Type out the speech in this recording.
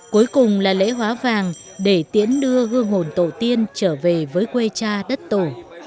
cuối cùng là lễ hóa vàng để tiễn đưa hương hồn tổ tiên trở về với quê cha đất tổ